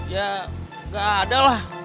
ya gak ada lah